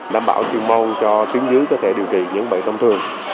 đảm bảo chuyên môn cho tiến dưới có thể điều trị những bệnh thông thường